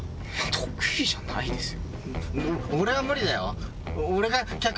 得意じゃないですよ。